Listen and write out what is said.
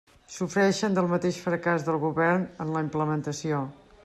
Sofreixen del mateix fracàs del govern en la implementació.